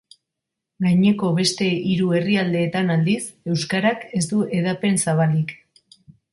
Gaineko beste hiru herrialdeetan aldiz, euskarak ez du hedapen zabalik.